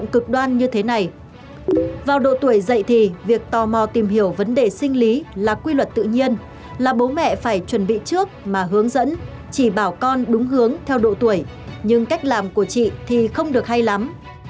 trong độ tuổi dạy thì việc tò mò tìm hiểu vấn đề sinh lý là quy luật tự nhiên là bố mẹ phải chuẩn bị trước mà hướng dẫn chỉ bảo con đúng hướng theo độ tuổi nhưng cách làm của chị thì không được hay lắm